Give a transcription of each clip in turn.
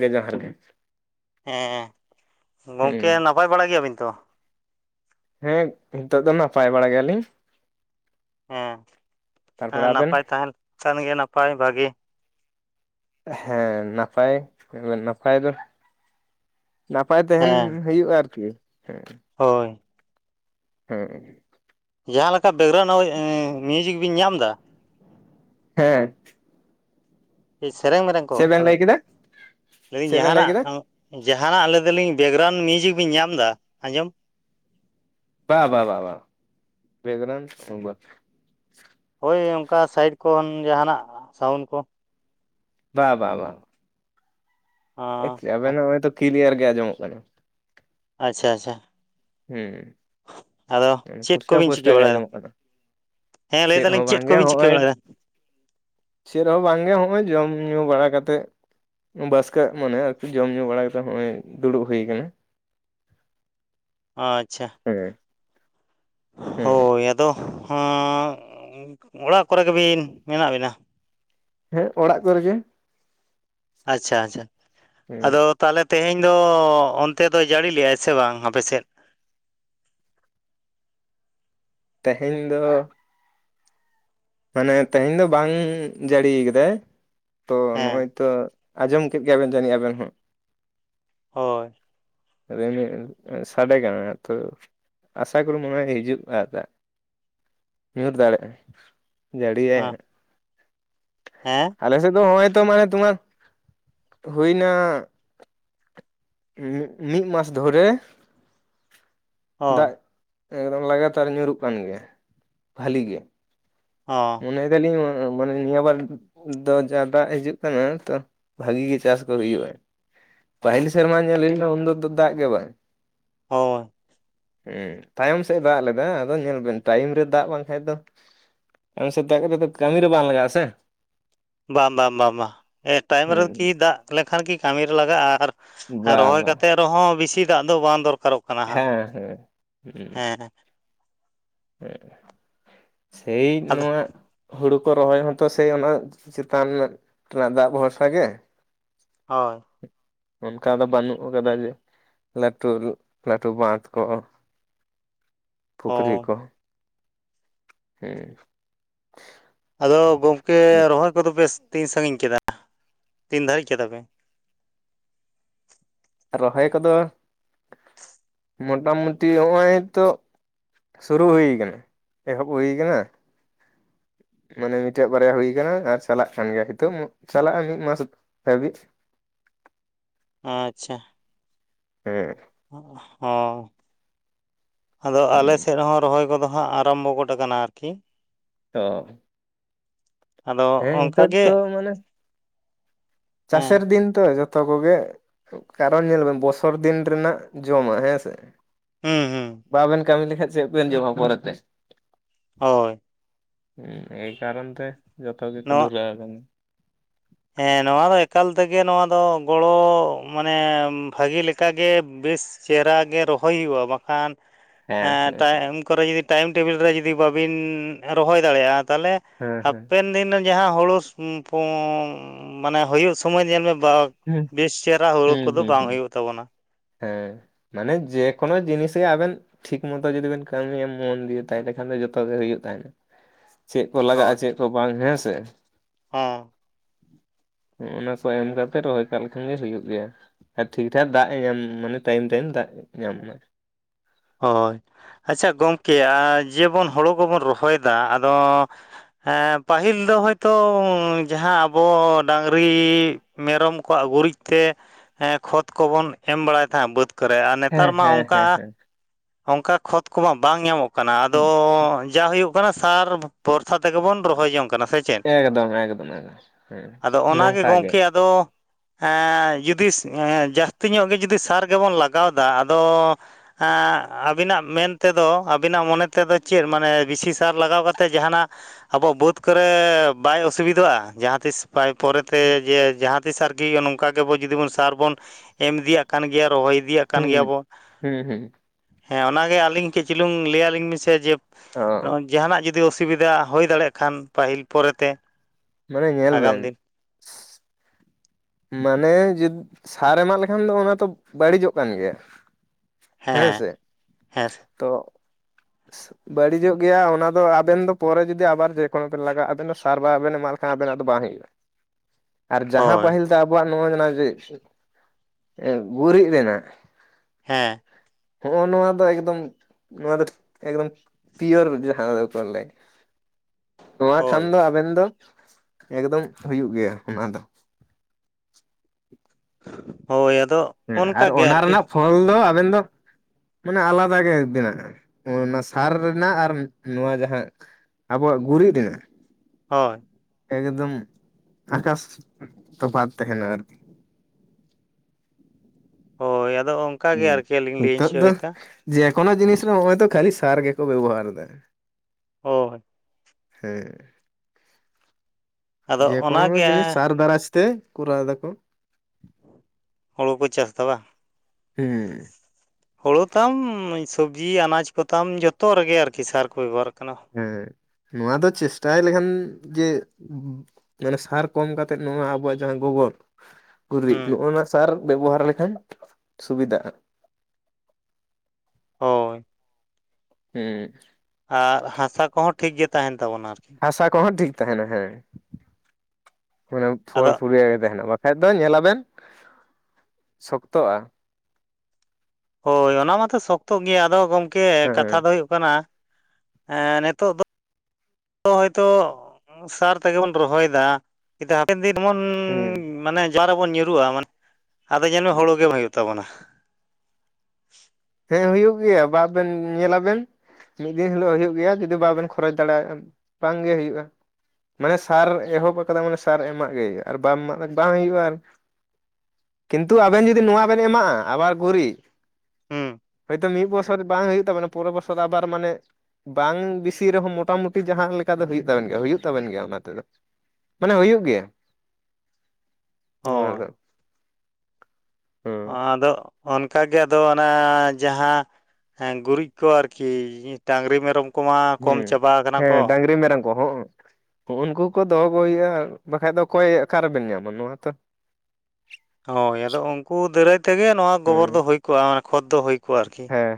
ᱜᱮ ᱡᱚᱦᱟᱨ ᱜᱮ ᱦᱮᱸ ᱜᱚᱝᱠᱮ ᱦᱩᱸ ᱱᱟᱯᱟᱭ ᱵᱟᱲᱟ ᱜᱮᱭᱟᱵᱤᱱ ᱛᱚ ᱦᱮᱸ ᱱᱤᱛᱚᱜ ᱫᱚ ᱱᱟᱯᱟᱭ ᱵᱟᱲᱟ ᱜᱮᱭᱟᱞᱤᱧ ᱛᱟᱨᱯᱚᱨᱮ ᱦᱮᱸ ᱟᱵᱮᱱ ᱱᱟᱯᱟᱭ ᱛᱟᱦᱮᱸᱱ ᱠᱷᱟᱱ ᱜᱮ ᱱᱟᱯᱟᱭ ᱵᱷᱟᱜᱤ ᱦᱮᱸ ᱱᱟᱯᱟᱭ ᱱᱟᱯᱟᱭ ᱫᱚ ᱱᱟᱯᱟᱭ ᱛᱟᱦᱮᱱ ᱦᱮᱸ ᱦᱩᱭᱩᱜᱼᱟ ᱟᱨᱠᱤ ᱦᱮᱸ ᱦᱳᱭ ᱦᱮᱸ ᱡᱟᱦᱟᱸ ᱞᱮᱠᱟ ᱵᱮᱠᱜᱨᱟᱣᱩᱱ [unintelligible] ᱢᱤᱭᱩᱡᱤᱠ ᱵᱤᱱ ᱧᱟᱢ ᱮᱫᱟ ᱦᱮᱸ ᱮ ᱥᱮᱨᱮᱧ ᱢᱮᱨᱮᱧ ᱠᱚ ᱪᱮᱫ ᱵᱮᱱ ᱞᱟᱹᱭ ᱯᱟᱞᱮᱱ ᱠᱮᱫᱟ ᱞᱟᱹᱭᱫᱟᱹᱧ ᱪᱮᱫ ᱵᱮᱱ ᱞᱟᱹᱭ ᱠᱮᱫᱟ ᱡᱟᱦᱟᱱᱟᱜ ᱡᱟᱦᱱᱟᱜ ᱞᱟᱹᱭ ᱫᱚᱞᱤᱧ ᱵᱮᱠᱜᱨᱟᱣᱩᱱᱰ ᱢᱤᱭᱩᱡᱤᱠ ᱵᱤᱱ ᱧᱟᱢ ᱮᱫᱟ ᱟᱸᱡᱚᱢ ᱵᱟ ᱵᱟ ᱵᱟ ᱵᱟ ᱵᱮᱜᱽᱜᱨᱟᱣᱩᱱᱰ ᱦᱳᱭ ᱚᱱᱠᱟ ᱥᱟᱭᱤᱰ ᱠᱷᱚᱱ ᱡᱟᱦᱱᱟᱜ ᱥᱟᱣᱩᱱᱰ ᱠᱚ ᱵᱟ ᱵᱟ ᱵᱟ ᱟᱵᱮᱱᱟᱜ ᱱᱚᱜᱼᱚᱭ ᱛᱳ ᱠᱞᱤᱭᱟᱨ ᱜᱮ ᱟᱸᱡᱚᱢᱚᱜ ᱠᱟᱱᱟ ᱟᱪᱪᱷᱟ ᱟᱪᱪᱷᱟ ᱟᱫᱚ ᱦᱩᱸ ᱪᱮᱫ ᱯᱩᱥᱴᱟ ᱠᱚᱵᱤᱱ ᱯᱩᱥᱴᱟ ᱪᱤᱠᱟᱹ ᱜᱮ ᱵᱟᱲᱟᱭᱮᱫᱟ ᱟᱸᱡᱚᱢᱚᱜ ᱠᱟᱱᱟ ᱦᱮᱸ ᱞᱟᱹᱭ ᱪᱮᱫ ᱫᱟᱞᱤᱧ ᱦᱚᱸ ᱵᱟᱝ ᱜᱮ ᱠᱚᱵᱤᱱ ᱪᱤᱠᱟᱹ ᱦᱚᱸᱜᱼᱚᱭ ᱵᱟᱲᱟᱭᱮᱫᱟ ᱪᱮᱫ ᱦᱚᱸ ᱵᱟᱝᱜᱮ ᱦᱚᱸᱜᱼᱚᱭ ᱡᱚᱢ ᱧᱩ ᱵᱟᱲᱟ ᱠᱟᱛᱮᱫ ᱵᱟᱥᱠᱟᱜ ᱢᱟᱱᱮ ᱟᱨᱠᱤ ᱡᱚᱢ ᱧᱩ ᱵᱟᱲᱟ ᱠᱟᱛᱮᱫ ᱦᱚᱸᱜᱼᱚᱭ ᱫᱩᱲᱩᱵ ᱦᱩᱭ ᱟᱠᱟᱱᱟ ᱟᱪᱪᱷᱟ ᱦᱮᱸ ᱦᱮᱸ ᱦᱳᱭ ᱟᱫᱚ ᱚᱲᱟᱜ ᱠᱚᱨᱮ ᱜᱮᱵᱤᱱ ᱢᱮᱱᱟᱜ ᱵᱤᱱᱟ ᱦᱮᱸ ᱚᱲᱟᱜ ᱠᱚᱨᱮᱜ ᱜᱮ ᱟᱪᱪᱷᱟ ᱟᱪᱪᱷᱟ ᱦᱮᱸ ᱟᱫᱚ ᱛᱟᱦᱚᱞᱮ ᱛᱮᱦᱮᱧ ᱫᱚ ᱚᱱᱛᱮ ᱫᱚ ᱡᱟᱹᱲᱤ ᱞᱮᱫᱼᱟᱭ ᱥᱮ ᱵᱟᱝ ᱟᱯᱮᱥᱮᱫ ᱛᱮᱦᱮᱧ ᱫᱚ ᱢᱟᱱᱮ ᱛᱮᱦᱮᱧ ᱫᱚ ᱵᱟᱝ ᱡᱟᱹᱲᱤ ᱠᱟᱫᱟᱭ ᱛᱚ ᱱᱚᱜᱼᱚᱭ ᱦᱮᱸ ᱛᱚ ᱟᱸᱡᱚᱢ ᱠᱮᱫ ᱜᱮᱭᱟᱵᱮᱱ ᱡᱟᱹᱱᱤᱡ ᱟᱵᱮᱱ ᱦᱚᱸ ᱦᱳᱭ ᱨᱤᱢᱤᱞ ᱥᱟᱰᱮ ᱠᱟᱱᱟ ᱱᱤᱛᱚᱜ ᱟᱥᱟ ᱠᱚᱨᱮ ᱢᱚᱱᱮᱦᱚᱭ ᱦᱤᱡᱩᱜᱼᱟ ᱫᱟᱜ ᱧᱩᱨ ᱫᱟᱲᱮᱜᱼᱟ ᱡᱟᱹᱲᱤᱭᱟᱭ ᱦᱮᱸ ᱦᱟᱸᱜ ᱦᱮᱸ ᱟᱞᱮᱥᱮᱫ ᱫᱚ ᱦᱚᱸᱜᱼᱚᱭ ᱛᱚ ᱢᱟᱱᱮ ᱛᱳᱢᱟᱨ ᱦᱩᱭᱱᱟ ᱢᱤᱜ ᱢᱟᱥ ᱫᱷᱚᱨᱮ ᱦᱳᱭ ᱫᱟᱜ ᱮᱠᱫᱚᱢ ᱞᱟᱜᱟᱛᱟᱨ ᱧᱩᱨᱩᱜ ᱠᱟᱱ ᱜᱮᱭᱟ ᱵᱷᱟᱹᱞᱤ ᱜᱮ ᱚ ᱞᱟᱹᱭ ᱫᱟᱞᱤᱧ ᱢᱟᱱᱮ ᱱᱤᱭᱟᱹ ᱵᱟᱨ ᱫᱚ ᱡᱟ ᱫᱟᱜ ᱦᱤᱡᱩᱜ ᱠᱟᱱᱟ ᱛᱚ ᱵᱷᱟᱹᱜᱤ ᱜᱮ ᱪᱟᱥ ᱠᱚ ᱦᱩᱭᱩᱜᱼᱟ ᱯᱟᱦᱞᱤ ᱥᱮᱨᱢᱟ ᱧᱮᱞ ᱦᱩᱭᱱᱟ ᱩᱱ ᱫᱚ ᱛᱚ ᱫᱟᱜ ᱜᱮ ᱵᱟᱝ ᱦᱚᱭ ᱦᱮᱸ ᱛᱟᱭᱚᱢ ᱥᱮᱫ ᱮ ᱫᱟᱜ ᱞᱮᱫᱟ ᱟᱫᱚ ᱧᱮᱞ ᱵᱮᱱ ᱴᱟᱭᱤᱢ ᱨᱮ ᱫᱟᱜ ᱵᱟᱝᱠᱷᱟᱡ ᱫᱚ ᱟ ᱥᱮ ᱱᱟᱥᱮ ᱫᱟᱜ ᱠᱟᱛᱜ ᱫᱚ ᱠᱟᱹᱢᱤ ᱨᱮ ᱵᱟᱝ ᱞᱟᱜᱟᱜ ᱟ ᱥᱮ ᱵᱟᱝ ᱵᱟᱝ ᱵᱟᱝ ᱴᱟᱭᱤᱢ ᱨᱮᱠᱤ ᱦᱩᱸ ᱫᱟᱜ ᱞᱮᱠᱷᱟᱱ ᱠᱤ ᱠᱟᱹᱢᱤᱨᱮ ᱞᱟᱜᱟᱜᱼᱟ ᱟᱨ ᱵᱟ ᱨᱚᱦᱚᱭ ᱵᱟ ᱠᱟᱛᱮᱫ ᱨᱮᱦᱚᱸ ᱵᱤᱥᱤ ᱫᱟᱜ ᱫᱚ ᱵᱟᱝ ᱫᱚᱨᱠᱟᱨᱚᱜ ᱠᱟᱱᱟ ᱦᱟᱸᱜ ᱦᱮᱸ ᱦᱮᱸ ᱦᱮᱸ ᱦᱮᱸ ᱥᱮᱭ ᱟᱫᱚ ᱱᱚᱣᱟ ᱦᱩᱲᱩ ᱠᱚ ᱨᱚᱦᱚᱭ ᱦᱚᱸ ᱛᱚ ᱥᱮᱭ ᱚᱱᱟ ᱪᱮᱛᱟᱱ ᱨᱮᱱᱟᱜ ᱫᱟᱜ ᱵᱷᱚᱨᱥᱟ ᱜᱮ ᱦᱳᱭ ᱚᱱᱠᱟ ᱫᱚ ᱵᱟᱹᱱᱩᱜ ᱠᱟᱫᱟ ᱡᱮ ᱞᱟᱹᱴᱩ ᱞᱟᱹᱴᱩ ᱵᱟᱸᱫᱷ ᱠᱚᱦᱚᱸ ᱚ ᱯᱩᱠᱷᱨᱤ ᱠᱚ ᱦᱮᱸ ᱟᱫᱚ ᱜᱚᱢᱠᱮ ᱨᱚᱦᱚᱭ ᱠᱚᱫᱚ ᱯᱮ ᱛᱤᱱ ᱥᱟᱺᱜᱤᱧ ᱠᱮᱫᱟ ᱛᱤᱱ ᱫᱷᱟᱹᱨᱤᱡ ᱠᱮᱫᱟ ᱯᱮ ᱨᱚᱦᱚᱭ ᱠᱚᱫᱚ ᱢᱚᱴᱟ ᱢᱩᱴᱤ ᱱᱚᱜᱼᱚᱭ ᱛᱚ ᱥᱩᱨᱩ ᱦᱩᱭ ᱠᱟᱱᱟ ᱮᱦᱚᱵ ᱦᱩᱭ ᱟᱠᱟᱱᱟ ᱢᱟᱱᱮ ᱢᱤᱫᱴᱟᱝ ᱵᱟᱨᱭᱟ ᱦᱩᱭ ᱟᱠᱟᱱᱟ ᱟᱨ ᱪᱟᱞᱟᱜ ᱠᱟᱱ ᱜᱮᱭᱟ ᱱᱤᱛᱳᱜ ᱪᱟᱞᱟᱜᱼᱟ ᱢᱤᱫ ᱢᱟᱥ ᱟᱵᱤᱨ ᱟᱪᱪᱷᱟ ᱦᱮᱸ ᱦᱚᱸ ᱟᱫᱚ ᱟᱞᱮ ᱦᱮᱸ ᱥᱮᱫ ᱦᱚᱸ ᱨᱚᱦᱚᱭ ᱠᱚᱫᱚ ᱦᱟᱸᱜ ᱟᱨᱟᱢᱵᱚ ᱜᱚᱫ ᱟᱠᱟᱱᱟ ᱟᱨᱠᱤ ᱚ ᱟᱫᱚ ᱚᱝᱠᱟ ᱜᱮ ᱫᱚ ᱢᱟᱱᱮ ᱪᱟᱥᱮᱨ ᱫᱤᱱ ᱛᱚ ᱡᱚ ᱡᱚᱛᱚ ᱠᱚᱜᱮ ᱠᱟᱨᱚ ᱧᱮᱞ ᱵᱮᱱ ᱵᱚᱪᱷᱚᱨ ᱫᱤᱱ ᱨᱮᱱᱟᱜ ᱡᱚᱢᱟ ᱦᱮᱸ ᱥᱮ ᱦᱩᱸ ᱦᱩᱸ ᱵᱟᱵᱮᱱ ᱠᱟᱹᱢᱤ ᱞᱮᱠᱷᱟᱱ ᱪᱮᱫ ᱵᱮᱱ ᱡᱚᱢᱟ ᱯᱚᱨᱮᱛᱮ ᱦᱳᱭ ᱦᱩᱸ ᱮ ᱠᱟᱨᱚᱱ ᱛᱮ ᱡᱚᱛᱚ ᱜᱮᱠᱚ ᱱᱚᱣᱟ ᱫᱷᱩᱞᱟᱹ ᱠᱟᱱᱟ ᱦᱮᱸ ᱱᱚᱣᱟ ᱫᱚ ᱮᱠᱟᱞ ᱛᱮᱜᱮ ᱱᱚᱣᱟ ᱫᱚ ᱜᱚᱲᱚ ᱢᱟᱱᱮ ᱵᱷᱟᱹᱜᱤ ᱞᱮᱠᱟᱜᱮ ᱵᱮᱥ ᱪᱮᱦᱨᱟ ᱜᱮ ᱨᱚᱦᱚᱭ ᱦᱩᱭᱩᱜᱼᱟ ᱵᱟᱠᱷᱟᱱ ᱦᱮᱸ ᱴᱟᱭᱤᱢ ᱠᱚᱨᱮ ᱡᱩᱫᱤ ᱴᱟᱭᱤᱢ ᱴᱮᱵᱤᱞ ᱨᱮ ᱡᱩᱫᱤ ᱵᱟᱹᱵᱤᱱ ᱨᱚᱦᱚᱭ ᱫᱟᱲᱮᱭᱟᱜᱼᱟ ᱛᱟᱦᱚᱞᱮ ᱦᱮᱸ ᱦᱮᱸ ᱦᱮᱸ ᱦᱟᱯᱮᱱ ᱫᱤᱱ ᱡᱟᱦᱟᱸ ᱦᱩᱲᱩ ᱢᱟᱱᱮ ᱦᱩᱭᱩᱜ ᱥᱚᱢᱚᱭ ᱧᱮᱞᱢᱮ ᱦᱩᱸ ᱵᱮᱥ ᱪᱮᱦᱨᱟ ᱦᱩᱲᱩ ᱦᱩᱸ ᱠᱚᱫᱚ ᱦᱩᱸ ᱵᱟᱝ ᱦᱩᱸ ᱦᱩᱭᱩᱜ ᱛᱟᱵᱚᱱᱟ ᱦᱮᱸ ᱢᱟᱱᱮ ᱡᱮ ᱠᱚᱱᱳ ᱡᱤᱱᱤᱥ ᱜᱮ ᱟᱵᱮᱱ ᱴᱷᱤᱠ ᱢᱚᱛᱚ ᱡᱩᱫᱤ ᱵᱮᱱ ᱠᱟᱹᱢᱤᱭᱟ ᱢᱚᱱ ᱫᱤᱭᱮ ᱛᱟᱦᱚᱞᱮ ᱠᱷᱟᱱ ᱫᱚ ᱡᱚᱛᱚ ᱜᱮ ᱦᱩᱭᱩᱜ ᱛᱟᱦᱮᱱᱟ᱾ [inaudible] ᱪᱮᱫ ᱠᱚ ᱞᱟᱜᱟᱜᱼᱟ ᱪᱮᱫ ᱠᱚ ᱵᱟᱝ ᱦᱮᱸ ᱥᱮ ᱦᱮᱸ ᱚᱱᱟ ᱠᱚ ᱮᱢ ᱠᱟᱛᱮᱜ ᱨᱚᱦᱚᱭ ᱠᱟᱜ ᱞᱮᱠᱷᱟᱱ ᱜᱮ ᱦᱩᱭᱩᱜ ᱜᱮᱭᱟ ᱟᱨ ᱴᱷᱤᱠ ᱴᱷᱟᱠ ᱫᱟᱜ ᱮ ᱧᱟᱢ ᱢᱟᱱᱮ ᱴᱟᱭᱤᱢ ᱴᱟᱭᱤᱢ ᱫᱟᱜ ᱧᱟᱢ ᱦᱳᱭ ᱟᱪᱪᱷᱟ ᱜᱚᱢᱠᱮ ᱟᱨ ᱡᱮᱵᱚᱱ ᱦᱳᱲᱳ ᱠᱚᱵᱚᱱ ᱨᱚᱦᱚᱭᱫᱟ ᱟᱫᱚ ᱦᱮᱸ ᱯᱟᱹᱦᱤᱞ ᱫᱚ ᱦᱳᱭᱛᱚ ᱡᱟᱦᱟᱸ ᱟᱵᱚ ᱰᱟᱹᱝᱨᱤ ᱢᱮᱨᱚᱢ ᱠᱚᱣᱟᱜ ᱜᱩᱨᱤᱡ ᱛᱮ ᱠᱷᱚᱛ ᱠᱚᱵᱚᱱ ᱮᱢ ᱵᱟᱲᱟᱭ ᱛᱟᱦᱮᱸᱫ ᱵᱟᱹᱫᱽ ᱠᱚ ᱟᱨ ᱦᱮᱸ ᱱᱮᱛᱟᱨ ᱢᱟ ᱦᱮᱸ ᱚᱱᱠᱟ ᱦᱮᱸ ᱦᱮᱸ ᱚᱱᱠᱟ ᱠᱷᱚᱛ ᱠᱚᱢᱟ ᱵᱟᱝ ᱧᱟᱢᱚᱜ ᱠᱟᱱᱟ ᱟᱫᱚ ᱡᱟ ᱦᱩᱭᱩᱜ ᱠᱟᱱᱟ ᱥᱟᱨ ᱵᱚᱨᱥᱟ ᱛᱮᱜᱮ ᱵᱚᱱ ᱨᱚᱦᱚᱭ ᱡᱚᱝ ᱠᱟᱱᱟ ᱥᱮ ᱪᱮᱫ ᱮᱠᱫᱚᱢ ᱮᱠᱫᱚᱢ ᱮᱠᱫᱚᱢ ᱦᱮᱸ ᱟᱫᱚ ᱚᱱᱟᱜᱮ ᱱᱚᱝᱠᱟ ᱜᱮ ᱜᱚᱢᱠᱮ ᱟᱫᱚ ᱦᱮᱸ ᱡᱩᱫᱤ ᱡᱟᱹᱥᱛᱤ ᱧᱚᱜ ᱜᱮ ᱡᱩᱫᱤ ᱥᱟᱨ ᱜᱮᱵᱚᱱ ᱞᱟᱜᱟᱣᱫᱟ ᱟᱫᱚ ᱦᱮᱸ ᱟᱹᱵᱤᱱᱟᱜ ᱢᱮᱱ ᱛᱮᱫᱚ ᱟᱹᱵᱤᱱᱟᱜ ᱢᱚᱱᱮ ᱛᱮᱫᱚ ᱪᱮᱫ ᱢᱟᱱᱮ ᱵᱤᱥᱤ ᱥᱟᱨ ᱞᱟᱜᱟᱣ ᱠᱟᱛᱮᱜ ᱡᱟᱦᱟᱱᱟᱜ ᱟᱵᱚᱣᱟᱜ ᱵᱟᱹᱫᱽ ᱠᱚᱨᱮ ᱵᱟᱭ ᱚᱥᱩᱵᱤᱫᱷᱟᱜᱼᱟ ᱡᱟᱦᱟᱸ ᱛᱤᱥ ᱯᱚᱨᱮᱛᱮ ᱡᱮ ᱡᱟᱦᱟᱸ ᱡᱟᱛᱮ ᱥᱟᱨᱠᱤ ᱱᱚᱝᱠᱟ ᱜᱮ ᱟᱵᱚ ᱡᱩᱫᱤ ᱵᱚᱱ ᱥᱟᱨ ᱵᱚᱱ ᱮᱢ ᱤᱫᱤᱭᱟᱜ ᱠᱟᱱ ᱜᱮᱭᱟ ᱨᱚᱦᱚᱭ ᱤᱫᱤᱭᱟᱜ ᱠᱟᱱ ᱜᱮᱭᱟᱵᱚᱱ᱾ ᱦᱮᱸ ᱦᱩᱸ ᱦᱮᱸ ᱚᱱᱟᱜᱮ ᱟᱹᱞᱤᱧ ᱠᱟᱹᱡ ᱪᱩᱞᱩᱝ ᱞᱟᱹᱭᱟ ᱟᱹᱞᱤᱧ ᱵᱤᱱ ᱥᱮ ᱡᱮ ᱚ ᱡᱟᱦᱟᱱᱟᱜ ᱡᱩᱫᱤ ᱚ ᱥᱩᱵᱤᱫᱟ ᱦᱩᱭ ᱫᱟᱲᱮᱭᱟᱜ ᱠᱷᱟᱱ ᱯᱟᱹᱦᱤᱞ ᱯᱚᱨᱮᱛᱮ ᱢᱟᱱᱮ ᱧᱮᱞ ᱢᱮ ᱟᱜᱟᱢ ᱫᱤᱱ ᱢᱟᱱᱮ ᱡᱩᱫ ᱥᱟᱨ ᱮᱢᱟᱜ ᱞᱮᱠᱷᱟᱱ ᱫᱚ ᱚᱱᱟ ᱛᱚ ᱵᱟᱹᱲᱤᱡᱚᱜ ᱠᱟᱱ ᱜᱮᱭᱟ᱾ ᱦᱮᱸ ᱥᱮ ᱦᱮᱸ ᱛᱚ ᱵᱟᱹᱲᱤᱡᱚᱜ ᱜᱮᱭᱟ ᱚᱱᱟᱫᱚ ᱟᱵᱮᱱ ᱫᱚ ᱯᱚᱨᱮ ᱡᱩᱫᱤ ᱟᱵᱟᱨ ᱡᱮᱠᱳᱱᱳ ᱵᱮᱱ ᱞᱟᱜᱟᱜᱼᱟ ᱟᱵᱱᱟᱜ ᱥᱟᱨᱵᱟ ᱵᱮᱱ ᱮᱢᱟᱜ ᱞᱮᱠᱷᱟᱱ ᱟᱵᱮᱱᱟᱜ ᱫᱚ ᱵᱟᱝ ᱦᱩᱭᱩᱜᱼᱟ᱾ ᱟᱨ ᱡᱟᱦᱟᱸ ᱦᱳᱭ ᱯᱟᱹᱦᱤᱞ ᱟᱵᱚᱣᱟᱜ ᱱᱚᱜ ᱡᱮ ᱜᱩᱨᱤᱡ ᱨᱮᱱᱟᱜ ᱦᱮᱸ ᱦᱚᱸᱜᱼᱚ ᱱᱚᱣᱟ ᱫᱚ ᱮᱠᱫᱚᱢ ᱱᱚᱣᱟ ᱫᱚ ᱮᱠᱫᱚᱢ ᱯᱤᱭᱤᱭᱳᱨ ᱡᱟᱦᱟᱸ ᱫᱚᱠᱚ ᱞᱟᱹᱭ [inaudible] ᱱᱚᱣᱟ ᱠᱷᱟᱱ ᱦᱳᱭ ᱫᱚ ᱟᱵᱮᱱ ᱫᱚ ᱮᱠᱫᱚᱢ ᱦᱩᱭᱩᱜ ᱜᱮᱭᱟ ᱚᱱᱟ ᱫᱚ ᱦᱳᱭ ᱟᱫᱚ ᱦᱮᱸ ᱟᱨ ᱚᱱᱠᱟᱜᱮ ᱚᱱᱟ ᱟᱨᱠᱤ ᱨᱮᱱᱟᱜ ᱯᱷᱚᱞ ᱫᱚ ᱟᱵᱮᱱ ᱫᱚ ᱢᱟᱱᱮ ᱟᱞᱟᱫᱟ ᱜᱮ ᱵᱮᱱᱟᱜᱼᱟ ᱚᱱᱟ ᱥᱟᱨ ᱨᱮᱱᱟᱜ ᱟᱨ ᱱᱚᱣᱟ ᱡᱟᱦᱟᱸ ᱟᱵᱚᱣᱟᱜ ᱜᱩᱨᱤᱡ ᱨᱮᱱᱟᱜ ᱦᱳᱭ ᱮᱠᱫᱚᱢ ᱟᱠᱟᱥ ᱛᱚᱯᱷᱟᱫ ᱛᱟᱦᱮᱱᱟ ᱟᱨᱠᱤ ᱦᱳᱭ ᱟᱫᱚ ᱚᱱᱠᱟ ᱜᱮ ᱦᱩᱸ ᱟᱨᱠᱤ ᱟᱹᱞᱤᱧ ᱞᱟᱹᱭ ᱱᱤᱛᱚᱜ ᱫᱚ ᱚᱪᱚᱭ ᱫᱟ᱾ ᱡᱮᱠᱳᱱᱳ ᱡᱤᱱᱤᱥ ᱨᱮ ᱦᱚᱜ-ᱚᱭ ᱛᱚ ᱠᱷᱟᱹᱞᱤ ᱥᱟᱨ ᱜᱮᱠᱚ ᱵᱮᱵᱚᱦᱟᱨ ᱫᱟ᱾ ᱦᱳᱭ ᱦᱮᱸ ᱟᱫᱚ ᱡᱮᱠᱳᱱᱳ ᱚᱱᱟᱜᱮ ᱡᱤᱱᱤᱥ ᱥᱟᱨ ᱫᱟᱨᱟᱥ ᱛᱮ ᱠᱚᱨᱟᱣ ᱫᱟᱠᱚ ᱦᱳᱲᱳ ᱠᱚ ᱪᱟᱥ ᱫᱟ ᱵᱟᱝ ᱦᱮᱸ ᱦᱳᱲᱳ ᱛᱟᱢ ᱥᱚᱵᱽᱡᱤ ᱟᱱᱟᱡᱽ ᱠᱚᱛᱟᱢ ᱡᱚᱛᱚ ᱨᱮᱜᱮ ᱟᱨᱠᱤ ᱥᱟᱨᱠᱚ ᱵᱮᱵᱚᱦᱟᱨ ᱠᱟᱱᱟ᱾ ᱦᱮᱸ ᱱᱚᱣᱟ ᱫᱚ ᱪᱮᱥᱴᱟᱭ ᱞᱮᱠᱷᱟᱱ ᱡᱮ ᱢᱟᱱᱮ ᱥᱟᱨ ᱠᱚᱢ ᱠᱟᱛᱮᱜ ᱱᱚᱣᱟ ᱟᱵᱚᱣᱟᱜ ᱡᱟᱦᱟᱸ ᱜᱚᱜᱚᱨ ᱜᱩᱨᱤᱡ ᱦᱩᱸ ᱱᱚᱜᱼᱱᱟ ᱥᱟᱨ ᱵᱮᱵᱚᱦᱟᱨ ᱞᱮᱠᱷᱟᱱ ᱥᱩᱵᱤᱫᱟᱜᱼᱟ᱾ ᱦᱳᱭ ᱦᱮᱸ ᱟᱨ ᱦᱟᱥᱟ ᱠᱚᱦᱚᱸ ᱴᱷᱤᱠ ᱜᱮ ᱛᱟᱦᱮᱱ ᱛᱟᱵᱚᱱᱟ ᱟᱨᱠᱤ᱾ ᱦᱟᱥᱟ ᱠᱚᱦᱚᱸ ᱴᱷᱤᱠ ᱛᱟᱦᱮᱱᱟ ᱦᱮᱸ, ᱢᱟᱱᱮ ᱯᱷᱚᱨ ᱟᱫᱚ ᱯᱷᱩᱨᱤᱭᱟᱹ ᱜᱮ ᱛᱟᱦᱮᱱᱟ, ᱵᱟ ᱠᱷᱟᱡ ᱫᱚ ᱧᱮᱞ ᱟᱵᱮᱱ ᱥᱚᱠᱛᱚᱜᱼᱟ᱾ ᱦᱳᱭ ᱚᱱᱟ ᱢᱟᱛᱚ ᱥᱚᱠᱛᱚᱜ ᱜᱮᱭᱟ ᱟᱫᱚ ᱜᱚᱢᱠᱮ ᱠᱟᱛᱷᱟ ᱦᱮᱸ ᱫᱚ ᱦᱩᱭᱩᱜ ᱠᱟᱱᱟ ᱱᱤᱛᱚᱜ ᱫᱚ᱾ ᱱᱤᱛᱚᱜ ᱦᱚᱭᱛᱚ ᱥᱟᱨ ᱛᱮᱜᱮ ᱵᱚᱱ ᱨᱚᱦᱚᱭ ᱫᱟ ᱡᱩᱫᱤ ᱦᱟᱯᱮᱱ ᱫᱤᱱ ᱵᱚᱱ ᱦᱮᱸ ᱢᱟᱱᱮ ᱡᱟᱣ ᱨᱮᱵᱚᱱ ᱧᱩᱨᱩᱜᱼᱟ ᱢᱟᱱᱮ ᱟᱫᱚ ᱡᱮᱢᱚᱱ ᱦᱳᱲᱳ ᱜᱮ ᱵᱟᱝ ᱦᱩᱭᱩᱜ ᱛᱟᱵᱚᱱᱟ᱾ ᱦᱮᱸ ᱦᱩᱭᱩᱜ ᱜᱮᱭᱟ ᱵᱟᱵᱮᱱ ᱧᱮᱞᱟᱵᱮᱱ᱾ ᱢᱤᱫ ᱫᱤᱱ ᱦᱤᱞᱳᱜ ᱦᱩᱭᱩᱜ ᱜᱮᱭᱟ ᱡᱩᱫᱤ ᱵᱟᱵᱮᱱ ᱠᱷᱚᱨᱚᱪ ᱫᱟᱲᱮᱭᱟᱜᱼᱟ ᱵᱟᱝ ᱜᱮ ᱦᱩᱭᱩᱜᱼᱟ᱾ ᱢᱟᱱᱮ ᱥᱟᱨ ᱮᱦᱚᱵ ᱟᱠᱟᱫᱟ ᱢᱟᱱᱮ ᱥᱟᱨ ᱮᱢᱟᱜ ᱜᱮ ᱦᱩᱭᱩᱜᱼᱟ ᱟᱨ ᱵᱟᱝ ᱮᱢᱟᱜ ᱵᱟᱝ ᱦᱩᱭᱩᱜᱼᱟ᱾ ᱟᱨ ᱠᱤᱱᱛᱩ ᱟᱵᱮᱱ ᱡᱩᱫᱤ ᱱᱚᱣᱟ ᱵᱮᱱ ᱮᱢᱟᱜᱼᱟ ᱟᱵᱟᱨ ᱜᱩᱨᱤᱡ᱾ ᱦᱮᱸ ᱛᱚ ᱢᱤᱫ ᱵᱚᱥᱚᱨ ᱵᱟᱝ ᱦᱩᱭᱩᱜ ᱛᱟᱵᱮᱱᱟ ᱯᱚᱨᱮ ᱵᱚᱥᱚᱨ ᱟᱵᱟᱨ ᱢᱟᱱᱮ ᱵᱟᱝ ᱵᱮᱥᱤ ᱨᱮᱦᱚᱸ ᱢᱳᱴᱟᱢᱩᱴᱤ ᱡᱟᱦᱟᱸ ᱞᱮᱠᱟ ᱫᱚ ᱦᱩᱭᱩᱜ ᱛᱟᱵᱮᱱ ᱜᱮᱭᱟ ᱦᱩᱭᱩᱜ ᱛᱟᱵᱮᱱ ᱜᱮᱭᱟ ᱚᱱᱟ ᱛᱮᱫᱚ᱾ ᱢᱟᱱᱮ ᱦᱩᱭᱩᱜ ᱜᱮᱭᱟ᱾ [inaudible] ᱱᱚᱣᱟ ᱦᱳᱭ ᱫᱚ ᱦᱮᱸ ᱱᱚᱣᱟ ᱫᱚ ᱚᱱᱠᱟᱜᱮ ᱟᱫᱚ ᱚᱱᱟ ᱡᱟᱦᱟᱸ ᱜᱩᱨᱤᱡ ᱠᱚ ᱟᱨᱠᱤ ᱰᱟᱝᱨᱤ ᱢᱮᱨᱚᱢ ᱠᱚᱢᱟ ᱠᱚᱢ ᱦᱩᱸ ᱪᱟᱵᱟ ᱟᱠᱟᱱᱟ ᱦᱮᱸ ᱠᱚ ᱰᱟᱝᱨᱤ ᱢᱮᱨᱚᱢ ᱠᱚᱦᱚᱸ᱾ ᱦᱩᱸᱜ ᱩᱱᱠᱩ ᱠᱚ ᱫᱚᱦᱚ ᱠᱚ ᱦᱩᱭᱩᱜᱼᱟ, ᱵᱟᱠᱷᱟᱡ ᱫᱚ ᱚᱠᱚᱭ ᱚᱠᱟᱟᱨ ᱨᱮᱵᱮᱱ ᱧᱟᱢᱟ ᱱᱚᱣᱟ ᱛᱚ᱾ ᱦᱳᱭ ᱟᱫᱚ ᱩᱱᱠᱩ ᱫᱟᱨᱟᱹᱭ ᱛᱮᱜᱮ ᱱᱚᱣᱟ ᱜᱚᱵᱚᱨ ᱦᱮᱸ ᱫᱚ ᱦᱩᱭ ᱠᱚᱜᱼᱟ, ᱚᱱᱟ ᱠᱷᱚᱛ ᱫᱚ ᱦᱩᱭ ᱠᱚᱜᱼᱟ ᱟᱨᱠᱤ᱾ ᱦᱮᱸ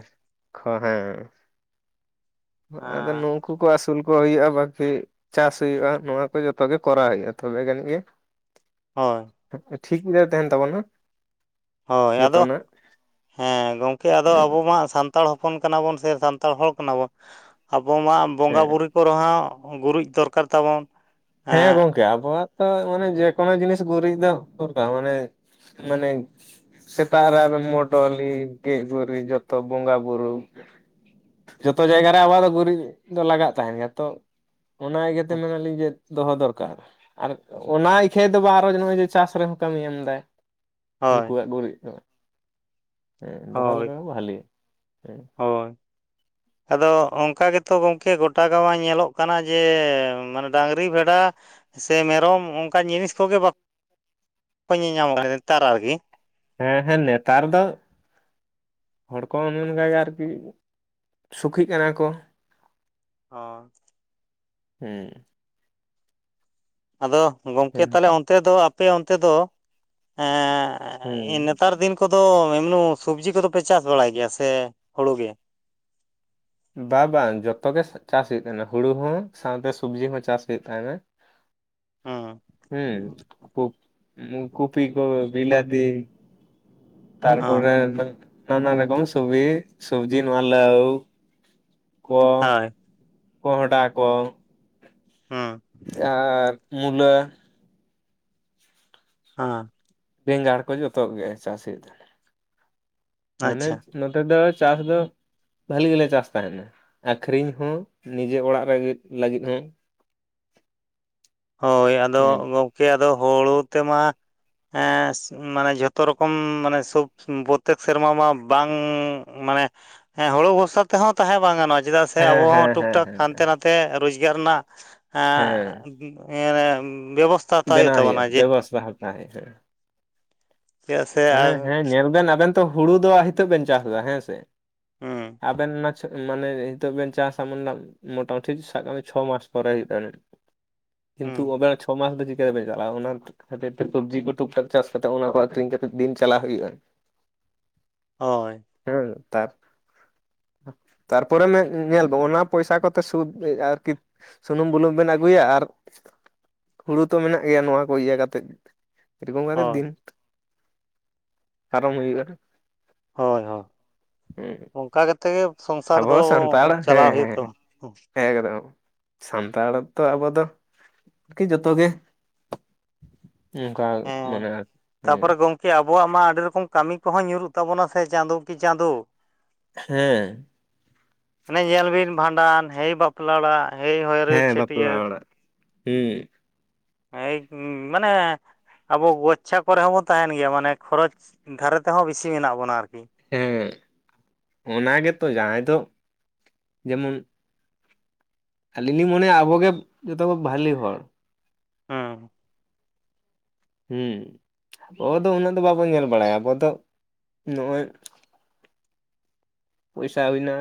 ᱠᱷᱚ ᱦᱮᱸ᱾ ᱟᱫᱚ ᱦᱮᱸ ᱱᱩᱝ ᱠᱩ ᱠᱚ ᱟᱹᱥᱩᱞ ᱠᱚ ᱦᱩᱭᱩᱜᱼᱟ ᱵᱟᱹᱠᱤ ᱪᱟᱥ ᱦᱩᱭᱩᱜᱼᱟ ᱱᱚᱣᱟ ᱠᱚ ᱡᱚᱛᱚ ᱜᱮ ᱠᱚᱨᱟᱣ ᱦᱩᱭᱩᱜᱼᱟ᱾ ᱛᱚᱵᱮ ᱜᱟᱱᱤᱡ ᱜᱮ ᱦᱳᱸᱭ ᱴᱷᱤᱠ ᱜᱮ ᱛᱟᱦᱮᱱ ᱛᱟᱵᱚᱱ ᱦᱟᱜ᱾ ᱦᱳᱭ ᱟᱫᱚ ᱦᱮᱸ ᱜᱚᱢᱠᱮ ᱟᱫᱚ ᱟᱵᱚ ᱦᱮᱸ ᱢᱟ ᱥᱟᱱ ᱛᱟᱲ ᱦᱚᱯᱚᱱ ᱠᱟᱱᱟ ᱵᱚᱱ ᱥᱮ ᱥᱟᱱᱛᱟᱲ ᱦᱚᱲ ᱠᱟᱱᱟ ᱵᱚᱱ, ᱟᱵᱚ ᱢᱟ ᱵᱚᱸᱜᱟ ᱵᱩᱨᱩ ᱠᱚ ᱨᱮᱦᱚᱸ ᱜᱩᱨᱤᱡ ᱫᱚᱨᱠᱟᱨ ᱛᱟᱵᱚᱱ᱾ ᱦᱮᱸ ᱜᱚᱢᱠᱮ ᱟᱵᱚᱣᱟᱜ ᱛᱚ ᱢᱟᱱᱮ ᱡᱮᱠᱳᱱᱳ ᱡᱤᱱᱤᱥ ᱜᱩᱨᱤᱡ ᱫᱚ ᱢᱟᱱᱮ ᱢᱟᱱᱮ ᱥᱮᱛᱟᱜ ᱨᱮ ᱟᱨᱦᱚ ᱢᱚᱰᱚᱞᱤ ᱜᱮᱢ-ᱜᱩᱨᱤᱢ ᱡᱷᱚᱛᱚ ᱵᱚᱸᱜᱟ ᱵᱩᱨᱩ᱾ ᱡᱷᱚᱛᱚ ᱡᱟᱭᱜᱟᱟ ᱨᱮ ᱟᱵᱚᱣᱟᱜ ᱫᱚ ᱜᱩᱨᱤᱡ ᱫᱚ ᱞᱟᱜᱟᱜ ᱛᱟᱸᱦᱮᱱ ᱜᱮᱭᱟ ᱛᱚ᱾ ᱚᱱᱟ ᱤᱭᱟᱹᱛᱮ ᱢᱮᱱᱟᱞᱤᱧ ᱡᱮ ᱫᱚᱦᱚ ᱫᱚᱨᱠᱟᱨ, ᱟᱨ ᱚᱱᱟ ᱤᱠᱷᱟᱹᱢ ᱫᱚ ᱟᱨᱚ ᱱᱚᱜᱼᱚᱭ ᱡᱮ ᱪᱟᱥ ᱨᱮᱦᱚᱸ ᱠᱟᱹᱢᱤᱭ ᱮᱢᱫᱟᱭ᱾ ᱦᱳᱭ ᱩᱱᱠᱩᱣᱟᱜ ᱜᱩᱨᱤᱡ ᱫᱚ, ᱦᱮᱸ ᱫᱚᱦᱚ ᱦᱳᱭ ᱞᱮᱠᱷᱟᱱ ᱵᱷᱟᱞᱮ ᱦᱮᱸ᱾ ᱦᱳᱭ ᱟᱫᱚ ᱚᱱᱠᱟ ᱜᱮᱛᱚ ᱜᱚᱢᱠᱮ ᱜᱳᱴᱟ ᱜᱟᱶ ᱧᱮᱞᱚᱜ ᱠᱟᱱᱟ ᱡᱮ ᱢᱟᱱᱮ ᱰᱟᱝᱨᱤ ᱵᱷᱮᱰᱟ, ᱥᱮ ᱢᱮᱨᱚᱢ ᱚᱱᱠᱟᱱ ᱡᱤᱱᱤᱥ ᱠᱚᱜᱮ ᱵᱟᱠᱚ ᱧᱮᱞᱧᱟᱢ ᱠᱟᱱᱟ ᱱᱮᱛᱟᱨ ᱟᱨᱠᱤ᱾ ᱦᱮᱸ ᱦᱮᱸ ᱱᱮᱛᱟᱨ ᱫᱚ, ᱦᱚᱲ ᱠᱚ ᱚᱱᱮ ᱚᱱᱠᱟ ᱜᱮ ᱟᱨᱠᱤ ᱥᱩᱠᱷᱤᱜ ᱠᱟᱱᱟ ᱠᱚ᱾ ᱦᱚᱸ ᱦᱮᱸ ᱟᱫᱚ ᱜᱚᱢᱠᱮ ᱛᱟᱦᱚᱞᱮ ᱚᱱᱛᱮ ᱫᱚ ᱟᱯᱮ ᱚᱱᱛᱮ ᱫᱚ, ᱮ ᱮᱸ ᱦᱮᱸ ᱱᱮᱛᱟᱨ ᱫᱤᱱ ᱠᱚᱫᱚ ᱮᱢᱱᱩ ᱥᱚᱵᱽᱡᱤ ᱠᱚᱫᱚᱯᱮ ᱪᱟᱥ ᱵᱟᱲᱟᱭ ᱜᱮᱭᱟ ᱥᱮ ᱦᱩᱲᱩ ᱜᱮ? ᱵᱟ ᱵᱟᱝ ᱡᱷᱚᱛᱚ ᱜᱮ ᱪᱟᱥ ᱦᱩᱭᱩᱜ ᱛᱟᱦᱮᱱᱟ ᱦᱩᱲᱩ ᱦᱚᱸ ᱥᱟᱶᱛᱮ ᱥᱚᱵᱽᱡᱤ ᱦᱚᱸ ᱪᱟᱥ ᱦᱩᱭᱩᱜ ᱛᱟᱭᱱᱟ ᱦᱩᱸ ᱦᱩᱸ ᱠᱚᱯᱤ ᱠᱚ ᱵᱤᱞᱟᱹᱛᱤ ᱛᱟᱨᱯᱚᱨ ᱦᱚᱸ ᱱᱟᱱᱟ ᱨᱚᱠᱚᱢ ᱥᱚᱵᱤ ᱥᱚᱵᱽᱡᱤ ᱱᱚᱣᱟ ᱞᱟᱹᱣ ᱠᱚ ᱦᱳᱭ ᱠᱚᱸᱦᱰᱟ ᱠᱚ ᱦᱚᱸ ᱟᱨ ᱢᱩᱞᱟᱹ ᱦᱟᱸ ᱵᱮᱸᱜᱟᱲ ᱠᱚ ᱡᱷᱚᱛᱚ ᱜᱮ ᱪᱟᱥ ᱦᱩᱭᱩᱜ ᱛᱟᱦᱮᱱ ᱢᱟᱱᱮ ᱟᱪᱪᱷᱟ ᱱᱚᱛᱮ ᱫᱚ ᱪᱟᱥ ᱫᱚ ᱵᱷᱟᱹᱞᱤ ᱜᱮᱞᱮ ᱪᱟᱥ ᱛᱟᱦᱮᱱᱟ ᱟᱠᱷᱨᱤᱧ ᱦᱚᱸ ᱱᱤᱡᱮ ᱚᱲᱟᱜ ᱨᱮ ᱞᱟᱹᱜᱤᱫ ᱦᱚᱸ ᱦᱳᱭ ᱟᱫᱚ ᱦᱩᱸ ᱜᱚᱢᱠᱮ ᱟᱫᱚ ᱦᱳᱲᱳ ᱛᱮᱢᱟ ᱦᱮᱸᱥ ᱢᱟᱱᱮ ᱡᱷᱚᱛᱚ ᱨᱚᱠᱚᱢ ᱥᱚᱵ ᱯᱨᱚᱛᱛᱮᱠ ᱥᱮᱨᱢᱟ ᱢᱟ ᱵᱟᱝ ᱢᱟᱱᱮ ᱦᱮᱸ ᱦᱳᱲᱳ ᱵᱚᱨᱥᱟ ᱛᱟᱦᱮᱸ ᱵᱟᱝ ᱜᱟᱱᱚᱜ-ᱟ ᱪᱮᱫᱟᱜ ᱥᱮ ᱦᱮᱸ ᱟᱵᱚᱦᱚᱸ ᱦᱮᱸ ᱴᱩᱠ ᱦᱮᱸ ᱴᱟᱠ ᱦᱮᱸ ᱦᱟᱱᱛᱮ ᱦᱮᱸ ᱱᱟᱛᱮ ᱛᱮ ᱨᱳᱡᱽᱜᱟᱨ ᱨᱮᱱᱟᱜ ᱦᱮᱸ ᱮ ᱵᱮᱵᱚᱥ ᱵᱮᱱᱟᱣ ᱦᱩᱭᱩᱜ-ᱟ ᱵᱮᱵᱚᱥᱛᱷᱟ ᱦᱟᱛᱟᱣ ᱦᱩᱭᱩᱜ-ᱟ ᱾ ᱪᱮᱫᱟᱜ ᱥᱮ ᱢᱟᱱᱮ ᱦᱮᱸ ᱧᱮᱞ ᱵᱮᱱ ᱟᱵᱮᱱ ᱛᱚ ᱦᱩᱲᱩ ᱫᱚ ᱱᱤᱛᱚᱜ ᱵᱮᱱ ᱪᱟᱥ ᱫᱟ ᱦᱮᱸ ᱥᱮ ᱦᱩᱸ ᱟᱵᱮᱱ ᱢᱟ ᱢᱟᱱᱮ ᱱᱤᱛᱚᱜ ᱵᱮᱱ ᱪᱟᱥᱟ ᱢᱳᱴᱟᱢᱩᱴᱤ ᱥᱟᱵ ᱠᱟᱜ ᱢᱮ ᱪᱷᱚ ᱢᱟᱥ ᱯᱚᱨᱮ ᱦᱩᱭᱩᱜ-ᱟ ᱾ ᱦᱩᱸ ᱠᱤᱱᱛᱩ ᱚᱵᱮᱱᱟᱜ ᱪᱷᱚ ᱢᱟᱥ ᱫᱚ [unintelligible] ᱚᱱᱟ ᱠᱷᱟᱹᱛᱤᱨ ᱛᱮ ᱥᱚᱵᱽᱡᱤ ᱠᱚ ᱴᱩᱠ ᱴᱟᱠ ᱪᱟᱥ ᱠᱟᱛᱮ ᱚᱱᱟ ᱟᱠᱷᱨᱤᱧ ᱠᱟᱛᱮ ᱫᱤᱱ ᱪᱟᱞᱟᱣ ᱦᱩᱭᱩᱜ-ᱟ ᱾ ᱦᱳᱭ ᱦᱮᱸ ᱛᱟᱨ ᱛᱟᱨᱯᱚᱨᱮ ᱧᱮ ᱧᱮᱞ ᱵᱚ ᱚᱱᱟ ᱯᱚᱭᱥᱟ ᱠᱚᱛᱮ ᱥᱩᱵ ᱟᱨᱠᱤ ᱥᱩᱱᱩᱢ ᱵᱩᱞᱩᱝ ᱵᱮᱱ ᱟᱹᱜᱩᱭᱟ ᱟᱨ ᱦᱩᱲᱩ ᱛᱚ ᱢᱮᱱᱟᱜ ᱜᱮᱭᱟ ᱱᱚᱣᱟ ᱠᱚ ᱤᱭᱟᱹ ᱠᱟᱛᱮᱫ ᱮᱨᱚᱠᱚᱢ ᱠᱟᱛᱮ ᱦᱳᱭ ᱫᱤᱱ ᱯᱟᱨᱚᱢ ᱦᱩᱭᱩᱜ-ᱟ ᱦᱩᱸ ᱦᱳᱭ ᱦᱳᱭ ᱚᱱᱠᱟ ᱠᱟᱛᱮ ᱜᱮ ᱥᱚᱝᱥᱟᱨ ᱫᱚ ᱦᱮᱸ ᱪᱟᱞᱟᱣ ᱦᱩᱭᱩᱜ ᱦᱮᱸ ᱛᱟᱢᱟ ᱦᱚᱸ ᱮᱠᱫᱚᱢ ᱥᱟᱱᱛᱟᱲ ᱫᱚ ᱟᱵᱚ ᱫᱚ ᱟᱨᱠᱤ ᱡᱚᱛᱚ ᱜᱮ ᱚᱱᱠᱟ ᱢᱟᱱᱮ ᱟᱨ ᱦᱮᱸ ᱠᱮ ᱟᱵᱚᱣᱟᱜ ᱢᱟ ᱟᱹᱰᱤ ᱨᱚᱠᱚᱢ ᱠᱟᱹᱢᱤ ᱠᱚᱦᱚᱸ ᱧᱩᱨᱩᱜ ᱛᱟᱵᱚᱱᱟ ᱥᱮ ᱪᱟᱸᱫᱚ ᱠᱤ ᱪᱟᱸᱫᱚ ᱦᱮᱸ ᱦᱟᱱᱮ ᱧᱮᱞ ᱵᱤᱱ ᱵᱷᱟᱸᱰᱟᱱ ᱦᱮᱭ ᱵᱟᱯᱞᱟ ᱚᱲᱟᱜ ᱦᱮᱭ ᱦᱚᱭᱨᱳ ᱪᱷᱟᱹᱴᱭᱟᱹᱨ ᱦᱩ ᱦᱮ ᱢᱟᱱᱮ ᱟᱵᱚ ᱜᱳᱪᱪᱷᱟ ᱠᱚᱨᱮ ᱦᱚᱸᱵᱚᱱ ᱛᱟᱦᱮᱱ ᱜᱮᱭᱟ ᱢᱟᱱᱮ ᱠᱷᱚᱨᱚᱪ ᱫᱷᱟᱨᱮ ᱛᱮᱦᱚᱸ ᱵᱤᱥᱤ ᱢᱮᱱᱟᱜ ᱵᱚᱱᱟ ᱟᱨᱠᱤ ᱦᱮᱸ ᱚᱱᱟ ᱜᱮᱛᱚ ᱡᱟᱦᱟᱸᱭ ᱫᱚ ᱡᱮᱢᱚᱱ ᱟᱹᱞᱤᱧ ᱞᱤᱧ ᱢᱚᱱᱮᱭᱟ ᱟᱵᱚᱜᱮ ᱡᱚᱛᱚᱠᱚ ᱵᱷᱟᱹᱞᱮ ᱦᱚᱲ ᱦᱩᱸ ᱦᱮᱸ ᱟᱵᱚ ᱫᱚ ᱩᱱᱟᱹᱜ ᱫᱚ ᱵᱟᱵᱚᱱ ᱧᱮᱞ ᱵᱟᱲᱟᱭᱟ ᱟᱵᱚ ᱫᱚ ᱱᱚᱜ-ᱚᱭ ᱯᱚᱭᱥᱟ ᱦᱩᱭᱱᱟ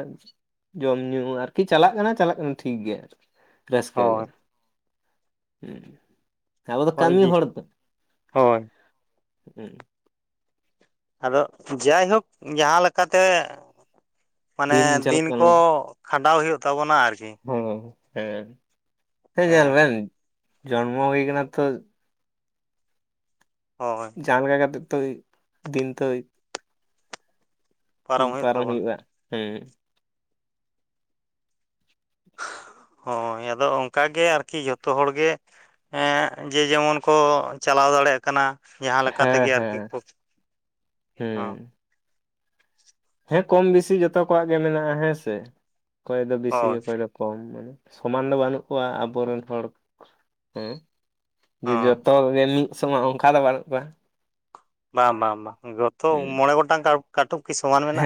ᱡᱚᱢ ᱧᱩ ᱟᱨᱠᱤ ᱪᱟᱞᱟᱜ ᱠᱟᱱᱟ ᱪᱟᱞᱟᱜ ᱠᱟᱱᱟ ᱴᱷᱤᱠ ᱜᱮᱭᱟ ᱨᱟᱹᱥᱠᱟᱹ ᱜᱮ ᱦᱳᱭ ᱦᱩᱸ ᱟᱵᱚ ᱫᱚ ᱦᱳᱭ ᱠᱟᱹᱢᱤ ᱡᱤ ᱦᱚᱲ ᱫᱚ ᱦᱳᱭ ᱦᱮᱸ ᱟᱫᱚ ᱡᱟᱭᱦᱳᱠ ᱡᱟᱦᱟᱸ ᱞᱮᱠᱟ ᱛᱮ ᱢᱟᱱᱮ ᱪᱟᱞᱟᱜ ᱫᱤᱱ ᱠᱟᱱᱟ ᱠᱚ ᱠᱷᱟᱸᱰᱟᱣ ᱦᱩᱭᱩᱜ ᱛᱟᱵᱚᱱᱟ ᱟᱨᱠᱤ ᱦᱳ ᱦᱮᱸ ᱦᱮᱸ ᱧᱮᱞ ᱵᱮᱱ ᱡᱚᱱᱢᱚ ᱦᱩᱭ ᱠᱟᱱᱟ ᱛᱚ ᱦᱳᱭ ᱡᱟᱸᱦᱟ ᱞᱮᱠᱟ ᱠᱟᱛᱮ ᱛᱚᱭ ᱫᱤᱱ ᱛᱳᱭ ᱦᱩᱭᱩᱜ ᱯᱟᱨᱚᱢ ᱛᱟᱵᱚᱱᱟ ᱦᱩᱭᱩᱜ-ᱟ ᱦᱩᱸ ᱦᱚᱭ ᱟᱫᱚ ᱚᱱᱠᱟᱜᱮ ᱟᱨᱠᱤ ᱡᱚᱛᱚ ᱦᱚᱲ ᱜᱮ ᱦᱮᱸ ᱡᱮ ᱡᱮᱢᱚᱱ ᱠᱚ ᱪᱟᱞᱟᱣ ᱫᱟᱲᱮᱭᱟᱜ ᱠᱟᱱᱟ ᱡᱟᱦᱟᱸ ᱞᱮᱠᱟ ᱛᱮᱜᱮ ᱦᱮᱸ ᱟᱨᱠᱤ ᱦᱮᱸ ᱠᱷᱼᱼᱼ ᱦᱩᱸ ᱦᱮᱸ ᱠᱚᱢ ᱵᱤᱥᱤ ᱡᱚᱛᱚ ᱠᱚᱣᱟᱜ ᱜᱮ ᱢᱮᱱᱟᱜᱼᱟ ᱦᱮᱸ ᱥᱮ ᱚᱠᱚᱭ ᱫᱚ ᱵᱮᱥᱤ ᱦᱳᱭ ᱚᱠᱚᱭ ᱫᱚ ᱠᱚᱢ ᱢᱟᱱᱮ [inaudible] ᱥᱚᱢᱟᱱ ᱫᱚ ᱵᱟᱹᱱᱩᱜ ᱠᱚᱣᱟ ᱟᱵᱚᱨᱮᱱ ᱦᱚᱲ ᱦᱮᱸ ᱡᱮ ᱦᱚᱸ ᱡᱚᱛᱚ ᱜᱮ ᱢᱤᱫ ᱥᱚᱢᱚᱭ ᱚᱱᱠᱟ ᱫᱚ ᱵᱟᱹᱱᱩᱜ ᱠᱚᱣᱟ ᱵᱟᱝ ᱵᱟᱝ ᱡᱚᱛᱚ ᱦᱩᱸ ᱢᱚᱬᱮ ᱜᱚᱴᱟᱝ ᱠᱟᱴᱩᱵ ᱠᱤ ᱥᱚᱢᱟᱱ ᱢᱮᱱᱟᱜᱼᱟ